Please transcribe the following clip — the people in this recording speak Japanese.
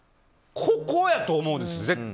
ここやと思うんですよ